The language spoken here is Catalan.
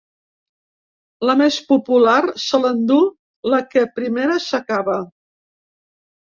La més popular se l’endú la que primera s’acaba.